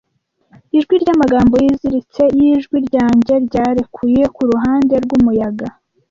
Ijwi ryamagambo yiziritse yijwi ryanjye ryarekuye kuruhande rwumuyaga,